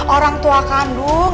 orang tua kandung